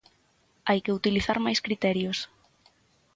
Hai que utilizar máis criterios.